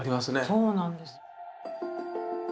そうなんです。